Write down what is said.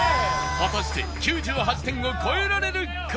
果たして９８点を超えられるか！？